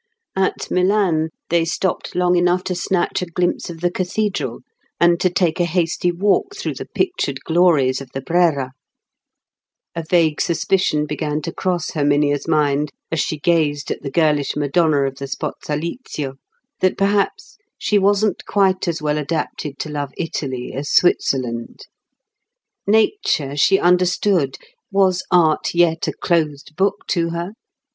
At Milan, they stopped long enough to snatch a glimpse of the cathedral, and to take a hasty walk through the pictured glories of the Brera. A vague suspicion began to cross Herminia's mind, as she gazed at the girlish Madonna of the Sposalizio, that perhaps she wasn't quite as well adapted to love Italy as Switzerland. Nature she understood; was art yet a closed book to her?